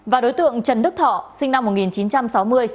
và đối tượng trần đức thọ sinh năm một nghìn chín trăm sáu mươi